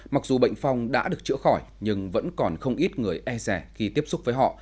mặc dù bệnh phong đã được chữa khỏi nhưng vẫn còn không ít người e rẻ khi tiếp xúc với họ